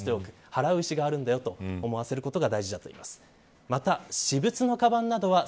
払う意思があると思わせることが大事だといいます。